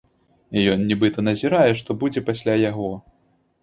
Ён нібыта назірае, што будзе пасля яго.